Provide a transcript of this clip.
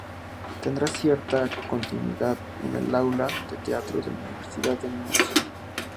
Tendría cierta continuidad en el Aula de Teatro de la Universidad de Murcia.